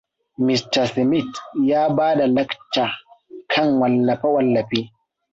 Mista Smith ya ba da lacca kan wallafe-wallafe.